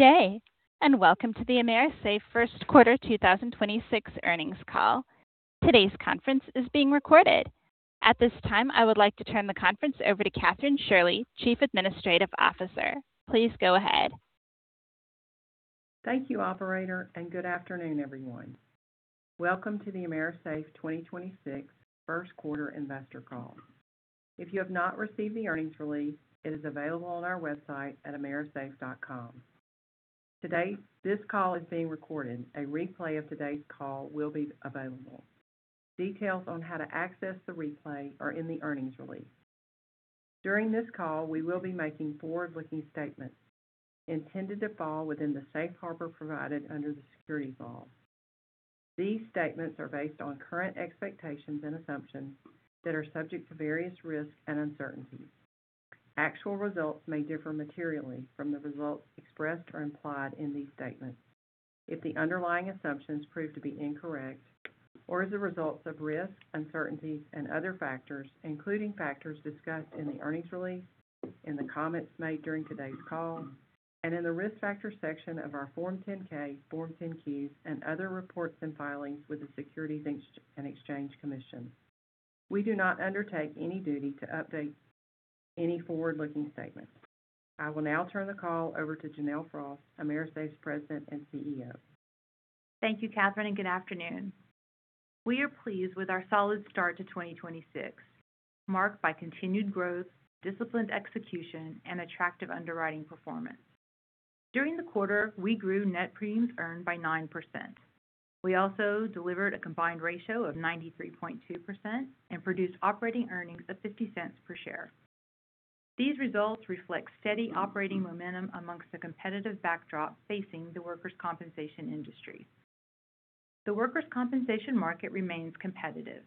Good day, and welcome to the AMERISAFE first quarter 2026 earnings call. Today's conference is being recorded. At this time, I would like to turn the conference over to Kathryn Shirley, Chief Administrative Officer. Please go ahead. Thank you, operator, and good afternoon, everyone. Welcome to the AMERISAFE 2026 first quarter investor call. If you have not received the earnings release, it is available on our website at amerisafe.com. Today, this call is being recorded. A replay of today's call will be available. Details on how to access the replay are in the earnings release. During this call, we will be making forward-looking statements intended to fall within the safe harbor provided under the securities laws. These statements are based on current expectations and assumptions that are subject to various risks and uncertainties. Actual results may differ materially from the results expressed or implied in these statements. If the underlying assumptions prove to be incorrect or as a result of risks, uncertainties, and other factors, including factors discussed in the earnings release, in the comments made during today's call, and in the risk factor section of our Form 10-K, Form 10-Qs, and other reports and filings with the Securities and Exchange Commission. We do not undertake any duty to update any forward-looking statements. I will now turn the call over to Janelle Frost, AMERISAFE's President and CEO. Thank you, Kathryn, and good afternoon. We are pleased with our solid start to 2026, marked by continued growth, disciplined execution, and attractive underwriting performance. During the quarter, we grew net premiums earned by 9%. We also delivered a combined ratio of 93.2% and produced operating earnings of $0.50 per share. These results reflect steady operating momentum amongst the competitive backdrop facing the workers' compensation industry. The workers' compensation market remains competitive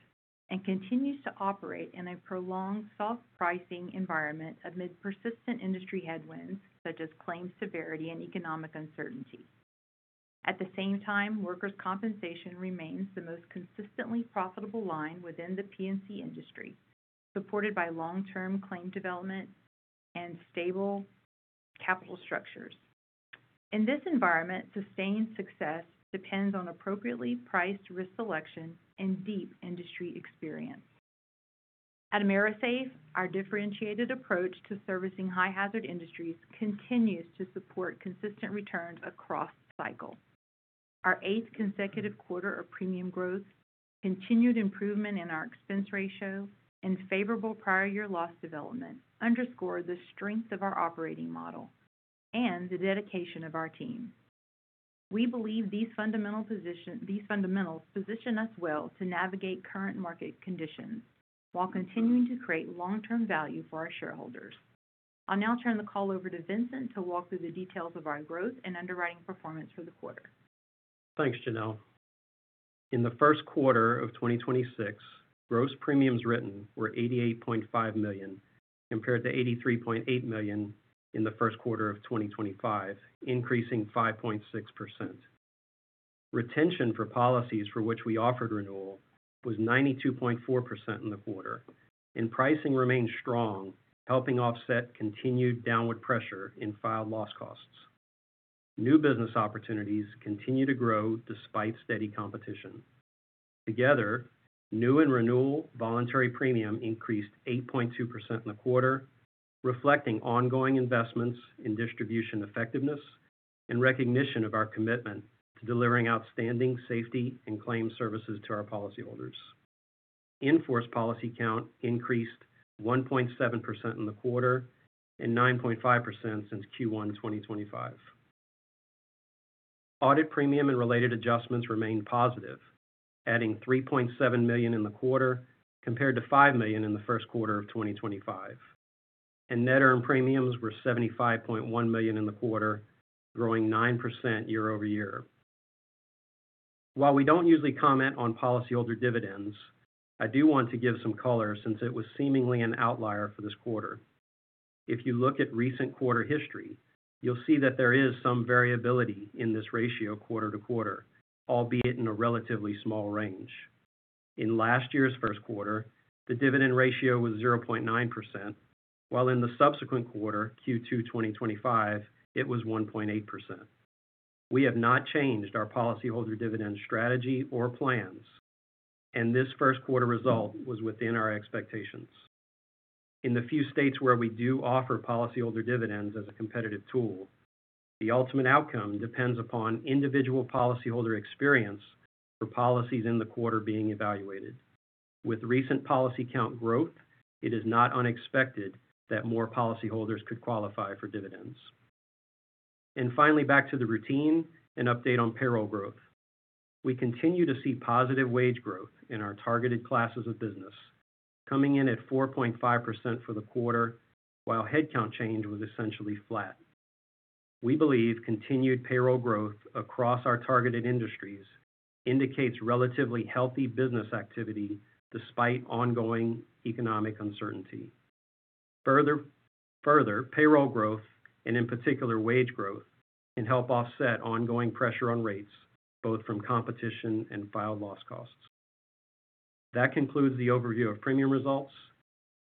and continues to operate in a prolonged soft pricing environment amid persistent industry headwinds such as claims severity and economic uncertainty. At the same time, workers' compensation remains the most consistently profitable line within the P&C industry, supported by long-term claim development and stable capital structures. In this environment, sustained success depends on appropriately priced risk selection and deep industry experience. At AMERISAFE, our differentiated approach to servicing high-hazard industries continues to support consistent returns across the cycle. Our eighth consecutive quarter of premium growth, continued improvement in our expense ratio, and favorable prior year loss development underscore the strength of our operating model and the dedication of our team. We believe these fundamentals position us well to navigate current market conditions while continuing to create long-term value for our shareholders. I'll now turn the call over to Vincent to walk through the details of our growth and underwriting performance for the quarter. Thanks, Janelle. In the first quarter of 2026, gross premiums written were $88.5 million, compared to $83.8 million in the first quarter of 2025, increasing 5.6%. Retention for policies for which we offered renewal was 92.4% in the quarter, and pricing remained strong, helping offset continued downward pressure in filed loss costs. New business opportunities continue to grow despite steady competition. Together, new and renewal voluntary premium increased 8.2% in the quarter, reflecting ongoing investments in distribution effectiveness and recognition of our commitment to delivering outstanding safety and claims services to our policyholders. In-force policy count increased 1.7% in the quarter and 9.5% since Q1 2025. Audit premium and related adjustments remained positive, adding $3.7 million in the quarter compared to $5 million in the first quarter of 2025. Net earned premiums were $75.1 million in the quarter, growing 9% year-over-year. While we don't usually comment on policyholder dividends, I do want to give some color since it was seemingly an outlier for this quarter. If you look at recent quarter history, you'll see that there is some variability in this ratio quarter to quarter, albeit in a relatively small range. In last year's first quarter, the dividend ratio was 0.9%, while in the subsequent quarter, Q2 2025, it was 1.8%. We have not changed our policyholder dividend strategy or plans, and this first quarter result was within our expectations. In the few states where we do offer policyholder dividends as a competitive tool, the ultimate outcome depends upon individual policyholder experience for policies in the quarter being evaluated. With recent policy count growth, it is not unexpected that more policyholders could qualify for dividends. Finally, back to the routine and update on payroll growth. We continue to see positive wage growth in our targeted classes of business, coming in at 4.5% for the quarter, while headcount change was essentially flat. We believe continued payroll growth across our targeted industries indicates relatively healthy business activity despite ongoing economic uncertainty. Further, payroll growth, and in particular wage growth, can help offset ongoing pressure on rates, both from competition and filed loss costs. That concludes the overview of premium results.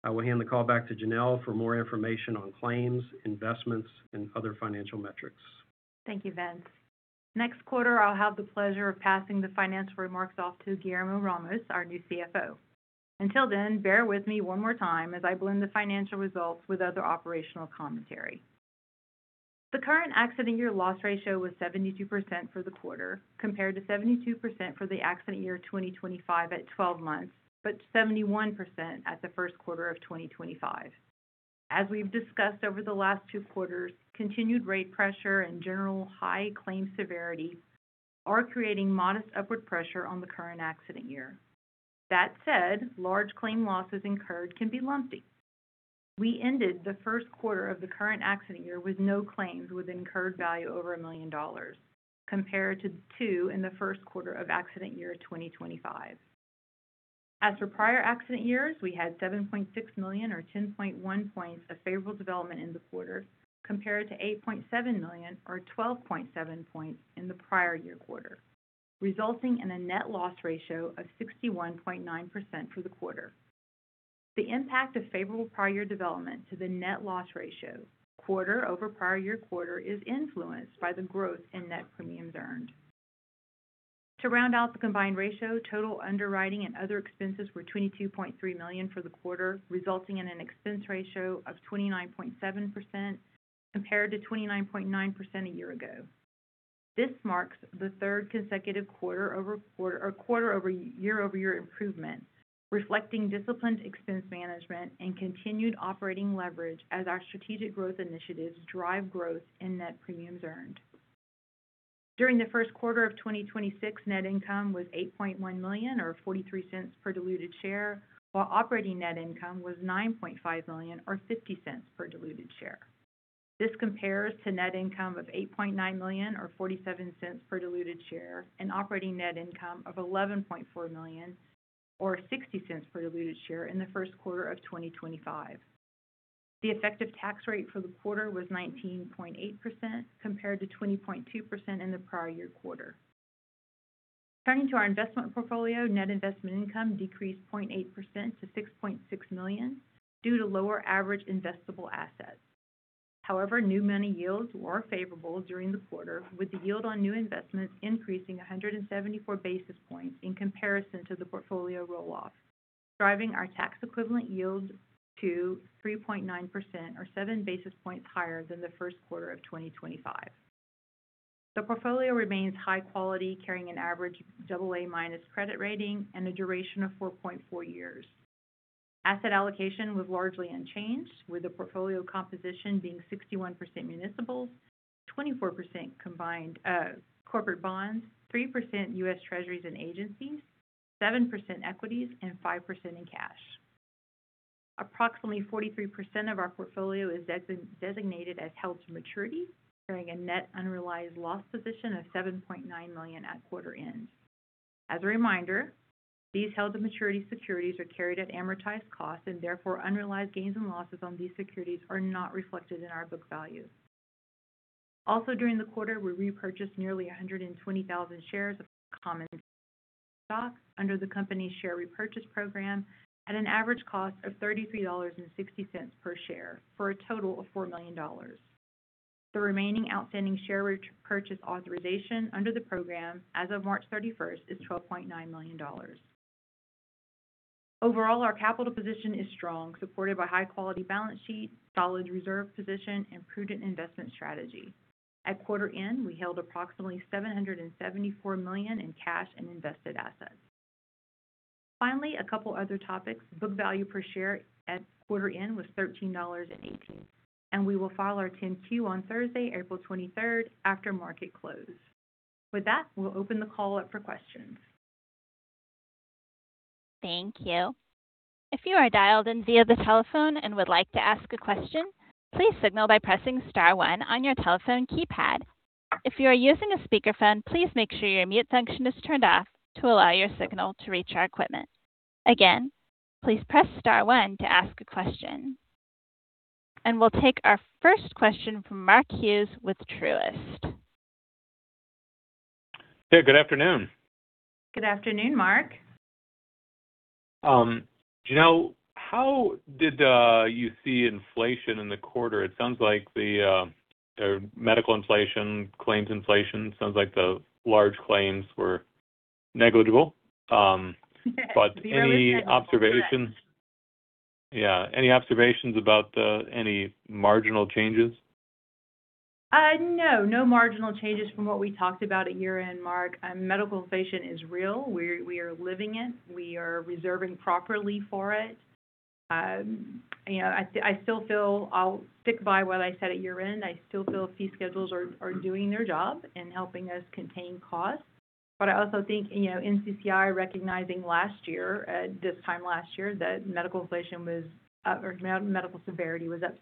I will hand the call back to Janelle for more information on claims, investments, and other financial metrics. Thank you, Vince. Next quarter, I'll have the pleasure of passing the financial remarks off to Guillermo Ramos, our new CFO. Until then, bear with me one more time as I blend the financial results with other operational commentary. The current accident year loss ratio was 72% for the quarter, compared to 72% for the accident year 2025 at 12 months, but 71% at the first quarter of 2025. As we've discussed over the last two quarters, continued rate pressure and general high claim severity are creating modest upward pressure on the current accident year. That said, large claim losses incurred can be lumpy. We ended the first quarter of the current accident year with no claims with incurred value over $1 million, compared to two in the first quarter of accident year 2025. As for prior accident years, we had $7.6 million, or 10.1 points, of favorable development in the quarter, compared to $8.7 million, or 12.7 points, in the prior year quarter, resulting in a net loss ratio of 61.9% for the quarter. The impact of favorable prior year development to the net loss ratio, quarter over prior year quarter, is influenced by the growth in net premiums earned. To round out the combined ratio, total underwriting and other expenses were $22.3 million for the quarter, resulting in an expense ratio of 29.7%, compared to 29.9% a year ago. This marks the third consecutive quarter-over-year-over-year improvement, reflecting disciplined expense management and continued operating leverage as our strategic growth initiatives drive growth in net premiums earned. During the first quarter of 2026, net income was $8.1 million, or $0.43 per diluted share, while operating net income was $9.5 million, or $0.50 per diluted share. This compares to net income of $8.9 million, or $0.47 per diluted share, and operating net income of $11.4 million, or $0.60 per diluted share in the first quarter of 2025. The effective tax rate for the quarter was 19.8%, compared to 20.2% in the prior year quarter. Turning to our investment portfolio, net investment income decreased 0.8% to $6.6 million due to lower average investable assets. However, new money yields were favorable during the quarter, with the yield on new investments increasing 174 basis points in comparison to the portfolio roll-off, driving our tax equivalent yield to 3.9%, or 7 basis points higher than the first quarter of 2025. The portfolio remains high quality, carrying an average AA- credit rating and a duration of 4.4 years. Asset allocation was largely unchanged, with the portfolio composition being 61% municipals, 24% corporate bonds, 3% U.S. Treasuries and agencies, 7% equities, and 5% in cash. Approximately 43% of our portfolio is designated as held to maturity, carrying a net unrealized loss position of $7.9 million at quarter end. As a reminder, these held to maturity securities are carried at amortized cost and therefore unrealized gains and losses on these securities are not reflected in our book value. During the quarter, we repurchased nearly 120,000 shares of common stock under the company's share repurchase program at an average cost of $33.60 per share, for a total of $4 million. The remaining outstanding share purchase authorization under the program as of March 31st is $12.9 million. Overall, our capital position is strong, supported by high quality balance sheet, solid reserve position, and prudent investment strategy. At quarter end, we held approximately $774 million in cash and invested assets. Finally, a couple other topics. Book value per share at quarter end was $13.18, and we will file our 10-Q on Thursday, April 23rd, after market close. With that, we'll open the call up for questions. Thank you. If you are dialed in via the telephone and would like to ask a question, please signal by pressing star one on your telephone keypad. If you are using a speakerphone, please make sure your mute function is turned off to allow your signal to reach our equipment. Again, please press star one to ask a question. We'll take our first question from Mark Hughes with Truist. Hey, good afternoon. Good afternoon, Mark. Janelle, how did you see inflation in the quarter? It sounds like the medical inflation, claims inflation, sounds like the large claims were negligible. You already said it all, Mark. Yeah. Any observations about any marginal changes? No. No marginal changes from what we talked about at year-end, Mark. Medical inflation is real. We are living it. We are reserving properly for it. I'll stick by what I said at year-end. I still feel fee schedules are doing their job in helping us contain costs. I also think, NCCI recognizing last year, this time last year, that medical severity was up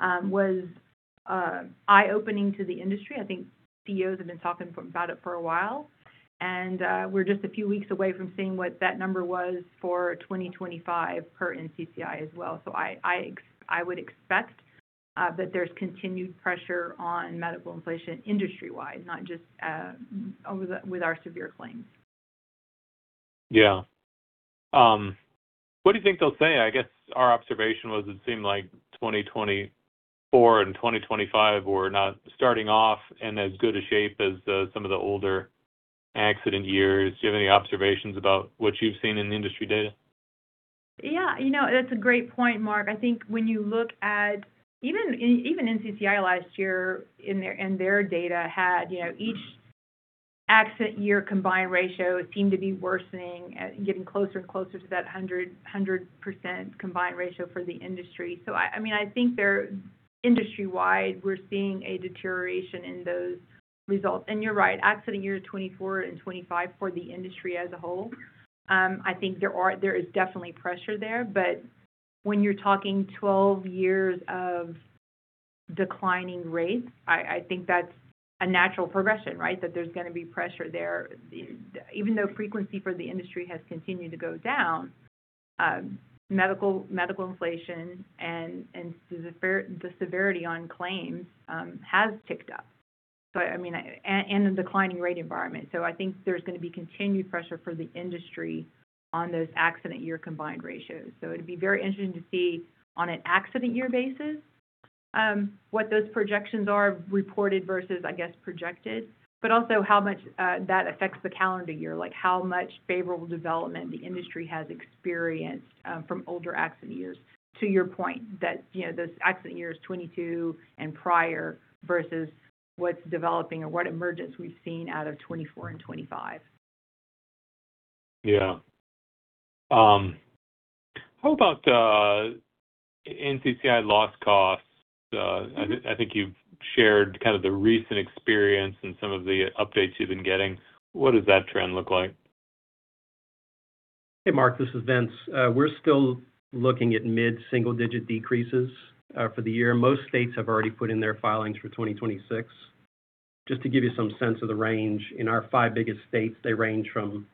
6%, was eye-opening to the industry. I think CEOs have been talking about it for a while, and we're just a few weeks away from seeing what that number was for 2025 per NCCI as well. I would expect there's continued pressure on medical inflation industry-wide, not just with our severe claims. Yeah. What do you think they'll say? I guess our observation was it seemed like 2024 and 2025 were not starting off in as good a shape as some of the older accident years. Do you have any observations about what you've seen in the industry data? Yeah. That's a great point, Mark. I think when you look at, even NCCI last year, in their data had each accident year combined ratio seemed to be worsening, getting closer and closer to that 100% combined ratio for the industry. I think industry-wide, we're seeing a deterioration in those results. You're right, accident year 2024 and 2025 for the industry as a whole, I think there is definitely pressure there, but when you're talking 12 years of declining rates, I think that's a natural progression, right? That there's going to be pressure there. Even though frequency for the industry has continued to go down, medical inflation and the severity on claims has ticked up. The declining rate environment. I think there's going to be continued pressure for the industry on those accident year combined ratios. It'd be very interesting to see on an accident year basis, what those projections are reported versus, I guess, projected, but also how much that affects the calendar year, how much favorable development the industry has experienced from older accident years, to your point, those accident years 2022 and prior versus what's developing or what emergence we've seen out of 2024 and 2025. Yeah. How about NCCI loss costs? I think you've shared kind of the recent experience and some of the updates you've been getting. What does that trend look like? Hey Mark, this is Vince. We're still looking at mid-single digit decreases for the year. Most states have already put in their filings for 2026. Just to give you some sense of the range, in our five biggest states, they range from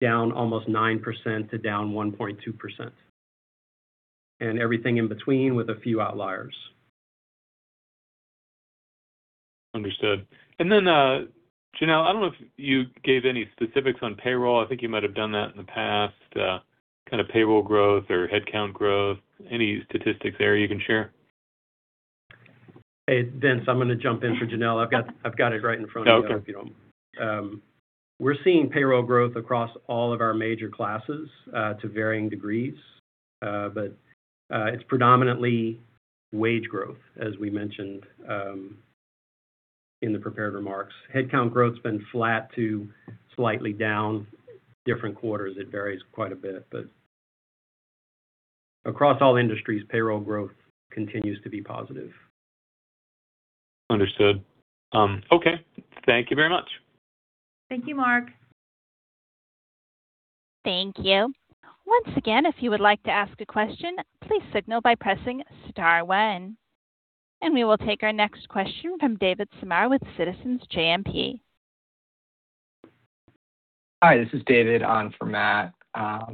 down almost 9% to down 1.2%. Everything in between with a few outliers. Understood. Janelle, I don't know if you gave any specifics on payroll. I think you might have done that in the past, kind of payroll growth or headcount growth. Any statistics there you can share? Hey, Vince, I'm going to jump in for Janelle. I've got it right in front of me. Okay. We're seeing payroll growth across all of our major classes to varying degrees. It's predominantly wage growth, as we mentioned in the prepared remarks. Headcount growth's been flat to slightly down. Different quarters, it varies quite a bit. Across all industries, payroll growth continues to be positive. Understood. Okay. Thank you very much. Thank you, Mark. Thank you. Once again, if you would like to ask a question, please signal by pressing *1. We will take our next question from David Samar with Citizens JMP. Hi, this is David on for Matt.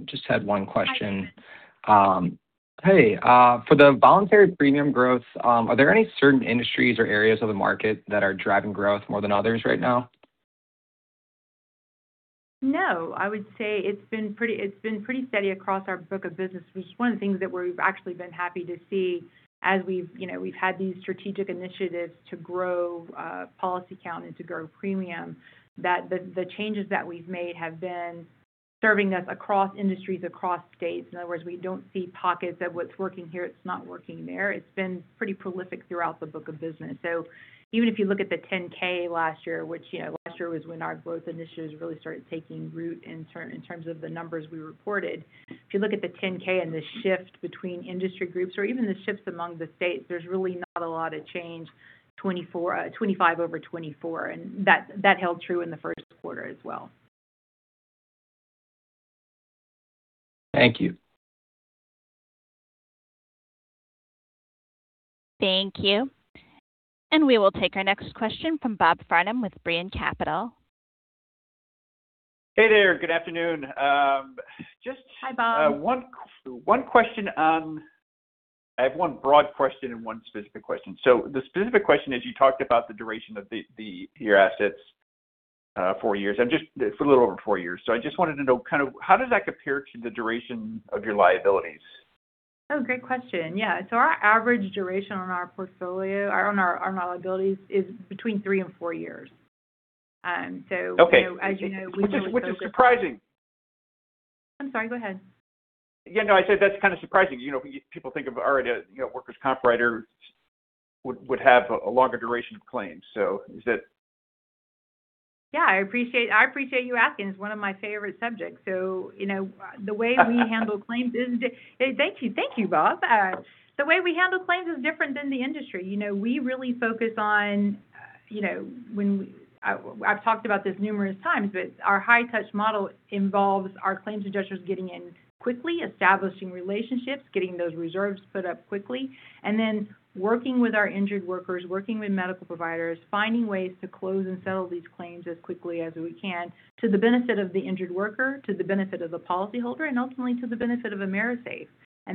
Just had one question. Hey, for the voluntary premium growth, are there any certain industries or areas of the market that are driving growth more than others right now? No. I would say it's been pretty steady across our book of business, which is one of the things that we've actually been happy to see as we've had these strategic initiatives to grow policy count and to grow premium, that the changes that we've made have been serving us across industries, across states. In other words, we don't see pockets of what's working here, it's not working there. It's been pretty prolific throughout the book of business. Even if you look at the 10-K last year, which last year was when our growth initiatives really started taking root in terms of the numbers we reported. If you look at the 10-K and the shift between industry groups or even the shifts among the states, there's really not a lot of change 2025 over 2024, and that held true in the first quarter as well. Thank you. Thank you. We will take our next question from Robert Farnam with Brean Capital. Hey there. Good afternoon. Hi, Bob. I have one broad question and one specific question. The specific question is, you talked about the duration of your assets, a little over four years. I just wanted to know how does that compare to the duration of your liabilities? Oh, great question. Yeah. Our average duration on our liabilities is between three and four years. Okay. As you know, we really focus. Which is surprising. I'm sorry, go ahead. Yeah, no, I said that's kind of surprising. People think a workers' comp writer would have a longer duration of claims. Yeah, I appreciate you asking. It's one of my favorite subjects. Thank you, Bob. The way we handle claims is different than the industry. I've talked about this numerous times, but our high touch model involves our claims adjusters getting in quickly, establishing relationships, getting those reserves put up quickly, and then working with our injured workers, working with medical providers, finding ways to close and settle these claims as quickly as we can to the benefit of the injured worker, to the benefit of the policyholder, and ultimately to the benefit of AMERISAFE.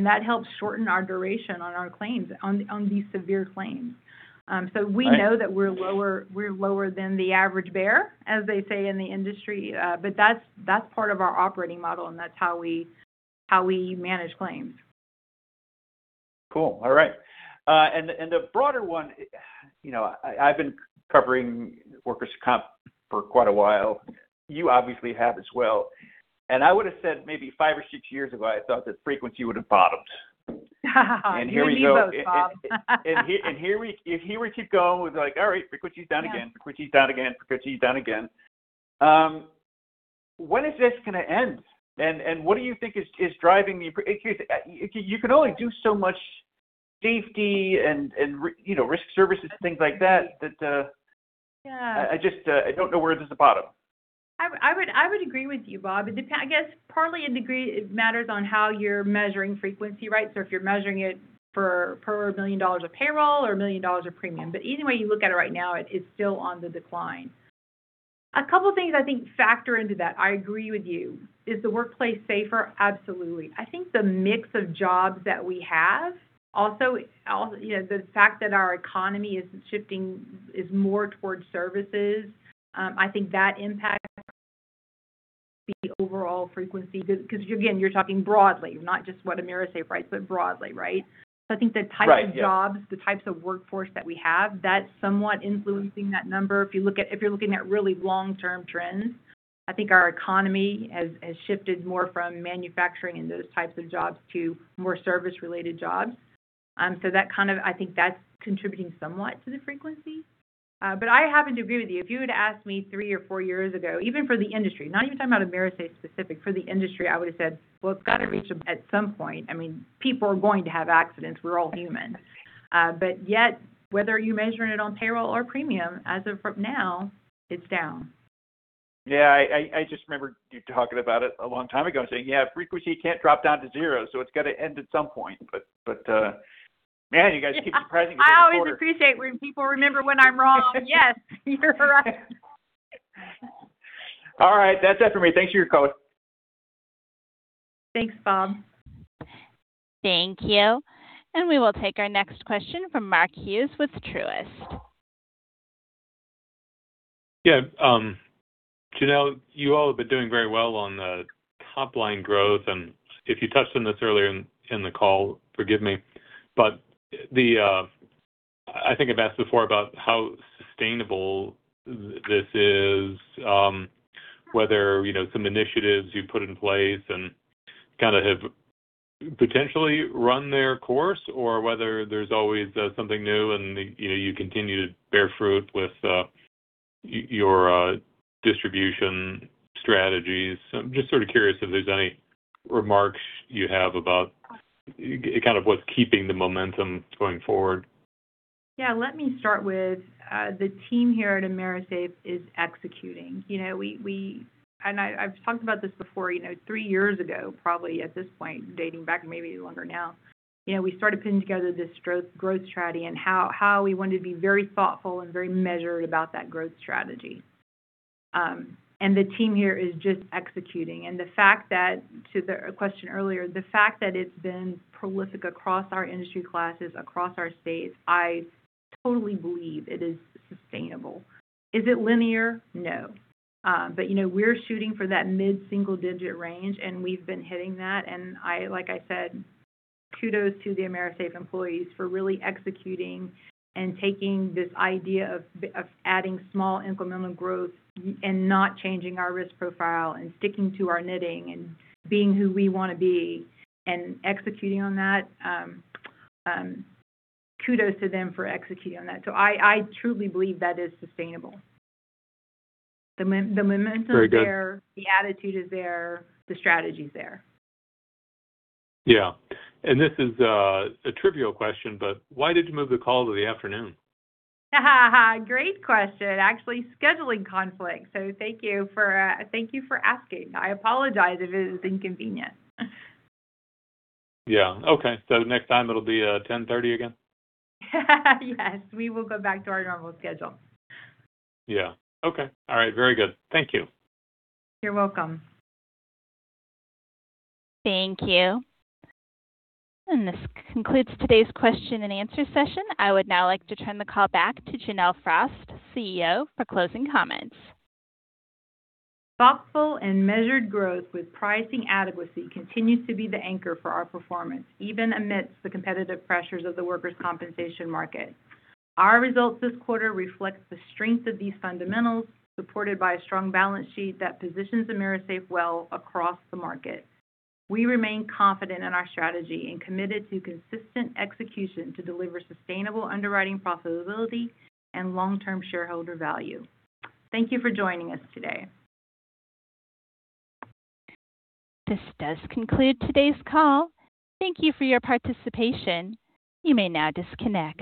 That helps shorten our duration on these severe claims. We know that we're lower than the average bear, as they say in the industry. That's part of our operating model, and that's how we manage claims. Cool. All right. The broader one, I've been covering workers' comp for quite a while. You obviously have as well. I would've said maybe five or six years ago, I thought that frequency would've bottomed. You and me both, Bob. Here we keep going. We'd be like, "All right, frequency's down again." When is this going to end? What do you think is driving the. You can only do so much safety and risk services, things like that. Yeah. I just don't know where there's a bottom. I would agree with you, Bob. I guess partly in degree, it matters on how you're measuring frequency, right? If you're measuring it per $1 million of payroll or $1 million of premium. Any way you look at it right now, it's still on the decline. A couple things I think factor into that. I agree with you. Is the workplace safer? Absolutely. I think the mix of jobs that we have, also the fact that our economy is shifting, is more towards services. I think that impacts the overall frequency. Because again, you're talking broadly, not just what AMERISAFE, right? Broadly, right? Right, yeah. I think the type of jobs, the types of workforce that we have, that's somewhat influencing that number. If you're looking at really long-term trends, I think our economy has shifted more from manufacturing and those types of jobs to more service-related jobs. I think that's contributing somewhat to the frequency. I happen to agree with you. If you had asked me three or four years ago, even for the industry, not even talking about AMERISAFE specific, for the industry, I would've said, "Well, it's got to reach them at some point." People are going to have accidents. We're all human. Yet, whether you're measuring it on payroll or premium, as of now, it's down. Yeah. I just remember you talking about it a long time ago and saying, "Yeah, frequency can't drop down to zero, so it's got to end at some point." But man, you guys keep surprising us every quarter. I always appreciate when people remember when I'm wrong. Yes. You're right. All right. That's it for me. Thanks for your call. Thanks, Bob. Thank you. We will take our next question from Mark Hughes with Truist. Yeah. Janelle, you all have been doing very well on the top-line growth, and if you touched on this earlier in the call, forgive me. I think I've asked before about how sustainable this is. Whether some initiatives you've put in place and kind of have potentially run their course or whether there's always something new and you continue to bear fruit with your distribution strategies. I'm just sort of curious if there's any remarks you have about kind of what's keeping the momentum going forward. Yeah, let me start with the team here at AMERISAFE is executing. I've talked about this before, three years ago probably at this point, dating back maybe longer now. We started putting together this growth strategy and how we wanted to be very thoughtful and very measured about that growth strategy. The team here is just executing. To the question earlier, the fact that it's been prolific across our industry classes, across our states, I totally believe it is sustainable. Is it linear? No. We're shooting for that mid-single digit range, and we've been hitting that. Like I said, kudos to the AMERISAFE employees for really executing and taking this idea of adding small incremental growth and not changing our risk profile and sticking to our knitting and being who we want to be and executing on that. Kudos to them for executing on that. I truly believe that is sustainable. Very good. The momentum's there. The attitude is there. The strategy's there. Yeah. This is a trivial question, but why did you move the call to the afternoon? Great question. Actually, scheduling conflict. Thank you for asking. I apologize if it is inconvenient. Yeah. Okay. Next time it'll be 10:30 again? Yes. We will go back to our normal schedule. Yeah. Okay. All right. Very good. Thank you. You're welcome. Thank you. This concludes today's question and answer session. I would now like to turn the call back to Janelle Frost, CEO, for closing comments. Thoughtful and measured growth with pricing adequacy continues to be the anchor for our performance, even amidst the competitive pressures of the workers' compensation market. Our results this quarter reflect the strength of these fundamentals, supported by a strong balance sheet that positions AMERISAFE well across the market. We remain confident in our strategy and committed to consistent execution to deliver sustainable underwriting profitability and long-term shareholder value. Thank you for joining us today. This does conclude today's call. Thank you for your participation. You may now disconnect.